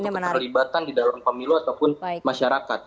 atau keterlibatan di dalam pemilu ataupun masyarakat